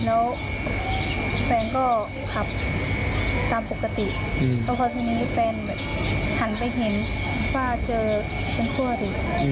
แล้วแฟนก็ขับตามปกติแล้วพอทีนี้แฟนแบบหันไปเห็นว่าเจอเป็นคู่อริ